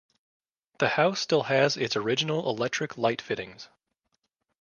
The house still has its original electric light fittings.